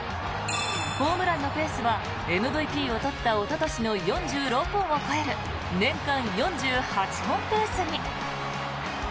ホームランのペースはＭＶＰを取ったおととしの４６本を超える年間４８本ペースに。